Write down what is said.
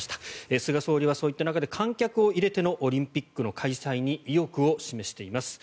菅総理は、そういった中で観客を入れてのオリンピックの開催に意欲を示しています。